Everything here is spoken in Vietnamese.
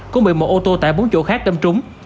cũng bị một ô tô tải bốn chỗ khác tâm trúng